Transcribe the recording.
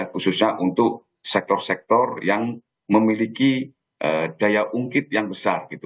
khususnya untuk sektor sektor yang memiliki daya ungkit yang besar gitu